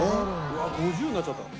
うわっ５０になっちゃった。